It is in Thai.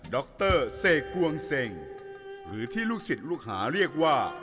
ดรเสกกวงเซ็งหรือที่ลูกศิษย์ลูกหาเรียกว่า